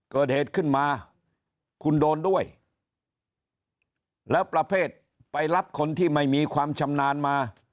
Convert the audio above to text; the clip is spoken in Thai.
เกิดเหตุขึ้นมาคุณโดนด้วยแล้วประเภทไปรับคนที่ไม่มีความชำนาญมา